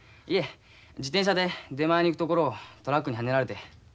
いえ自転車で出前に行くところをトラックにはねられて。